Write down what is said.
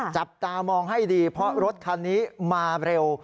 จับตามองให้ดีเพราะรถคันนี้มาเร็ว